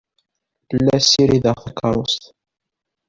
La ssirideɣ takeṛṛust.